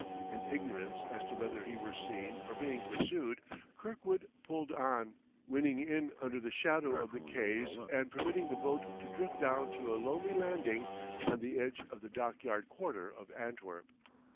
In ignorance as to whether he were seen or being pursued, Kirkwood pulled on, winning in under the shadow of the quais and permitting the boat to drift down to a lonely landing on the edge of the dockyard quarter of Antwerp.